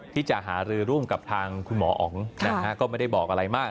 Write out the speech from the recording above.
ที่จะหารือร่วมกับทางคุณหมออ๋องนะฮะก็ไม่ได้บอกอะไรมาก